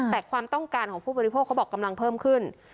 แต่ความต้องการของผู้บริโภคเขาบอกกำลังเพิ่มขึ้น